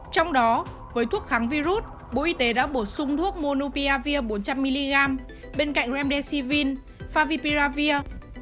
trong đó với thuốc kháng virus bộ y tế đã bổ sung thuốc monupiavir bốn trăm linh mg bên cạnh remdesivin favipiravir